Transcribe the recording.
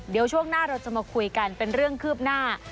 เดี๋ยวช่วงหน้าเราจะมาคุยกันเป็นเรื่องคืบหน้า